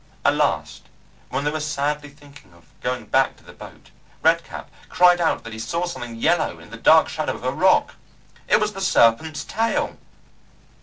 At last, when they were sadly thinking of going back to the boat, Red Cap cried out that he saw something yellow in the dark shadow of a rock. It was the serpent's tail!